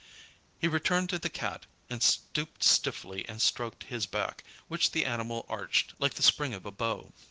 He returned to the Cat, and stooped stiffly and stroked his back, which the animal arched like the spring of a bow.